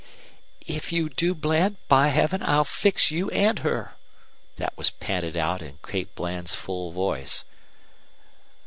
"If you do, Bland, by Heaven I'll fix you and her!" That was panted out in Kate Bland's full voice.